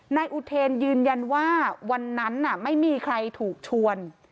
นายอุเทนยืนยันว่าวันนั้นไม่มีใครถูกชวน